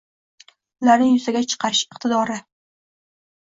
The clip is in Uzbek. ularni yuzaga chiqarish iqtidori